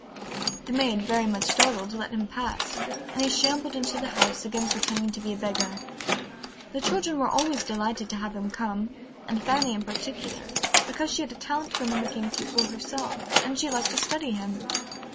The maid, very much startled, let him pass, and he shambled into the house, again pretending to be a beggar. The children were always delighted to have him come, and Fanny in particular, because she had a talent for mimicking people herself, and she liked to study him.